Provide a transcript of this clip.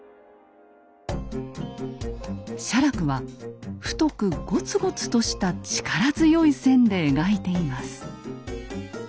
写楽は太くゴツゴツとした力強い線で描いています。